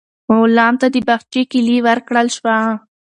غلام ته د باغچې کیلي ورکړل شوه.